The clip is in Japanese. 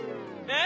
え⁉